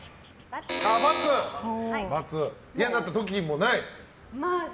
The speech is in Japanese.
嫌になった時もない？